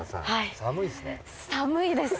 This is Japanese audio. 寒いです。